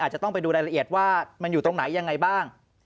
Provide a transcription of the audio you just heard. จะต้องไปดูรายละเอียดว่ามันอยู่ตรงไหนยังไงบ้าง